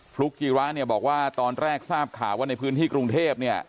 ฟลูกจิระบอกว่าตอนแรกทราบข่าวว่าในพื้นที่กรุงเทพ